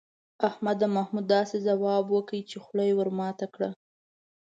احمد د محمود داسې ځواب وکړ، چې خوله یې ور ماته کړه.